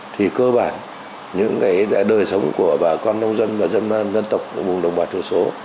thì cơ bản những cái đời sống của bà con nông dân và dân tộc của bộ đồng bào thủ số